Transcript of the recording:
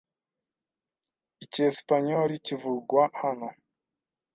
Icyesipanyoli kivugwa hano.